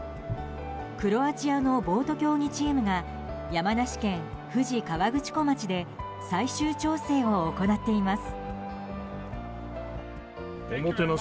クロアチアのボート競技チームが山梨県富士河口湖町で最終調整を行っています。